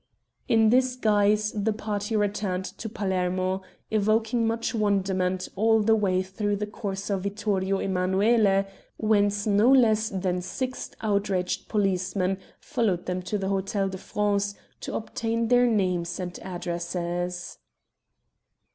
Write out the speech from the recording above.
In this guise the party returned to Palermo, evoking much wonderment all the way through the Corso Vittorio Emmanuele, whence no less than six outraged policemen followed them to the Hotel de France to obtain their names and addresses.